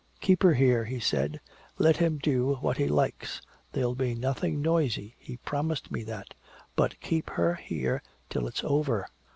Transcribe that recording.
"Keep her here," she said. "Let him do what he likes. There'll be nothing noisy, he promised me that. But keep her here till it's over."